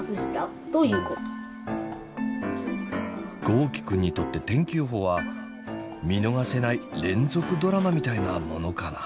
豪輝くんにとって天気予報は見逃せない連続ドラマみたいなものかな。